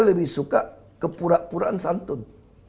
lebih suka ke pura puraan santun